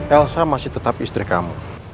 elsa masih tetap istri kamu